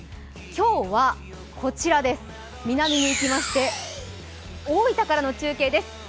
今日はこちらです、南に行きまして大分からの中継です。